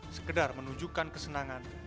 sekedar menunjukkan kesenangan